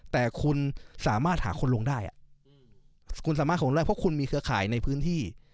แต่คุณสามารถหาคนลงได้คุณสามารถลงได้เพราะคุณมีเครือข่ายในพื้นที่